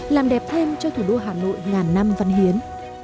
làm đẹp thêm cho thủ đô hà nội ngàn năm văn hiến